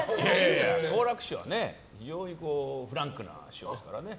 好楽師匠はフランクな師匠ですからね。